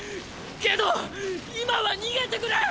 けど今は逃げてくれ！